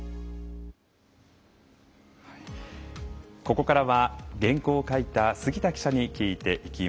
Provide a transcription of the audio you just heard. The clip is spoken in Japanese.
ここからは原稿を書いた杉田記者に聞いていきます。